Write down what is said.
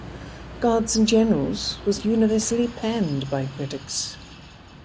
"Gods and Generals" was universally panned by critics.